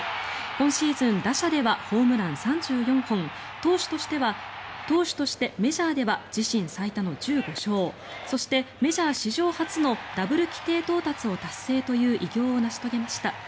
今シーズン打者ではホームラン３４本投手としてメジャーでは自身最多の１５勝そして、メジャー史上初のダブル規定到達を達成という偉業を成し遂げました。